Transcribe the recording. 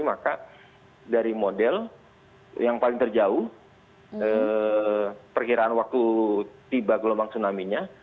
maka dari model yang paling terjauh perkiraan waktu tiba gelombang tsunami nya